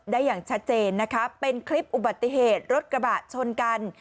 อย่างชัดเจนนะคะเป็นคลิปอุบัติเหตุรถกระบะชนกัน